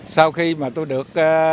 sau khi mà tôi được